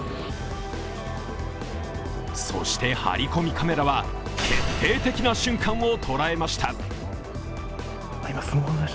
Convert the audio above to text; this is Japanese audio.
そして、ハリコミカメラは決定的な瞬間を捉えました。